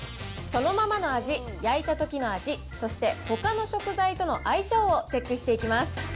そのままの味、焼いたときの味、そして、ほかの食材との相性をチェックしていきます。